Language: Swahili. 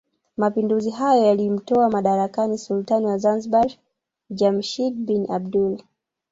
Mapinduzi hayo yaliyomtoa madarakani sultani wa Zanzibar Jamshid bin Abdullah